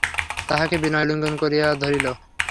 তাহাকে বিনয় আলিঙ্গন করিয়া ধরিল।